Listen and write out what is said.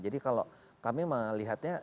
jadi kalau kami melihatnya